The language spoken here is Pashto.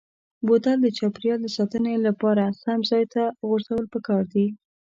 بوتل د چاپیریال د ساتنې لپاره سم ځای ته غورځول پکار دي.